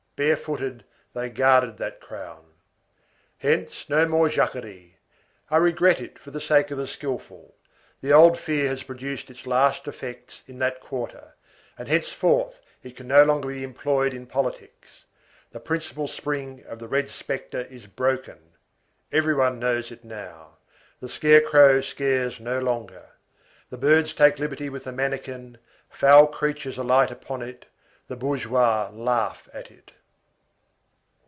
Barefooted, they guarded that crown. Hence, no more Jacquerie. I regret it for the sake of the skilful. The old fear has produced its last effects in that quarter; and henceforth it can no longer be employed in politics. The principal spring of the red spectre is broken. Every one knows it now. The scare crow scares no longer. The birds take liberties with the mannikin, foul creatures alight upon it, the bourgeois laugh at it.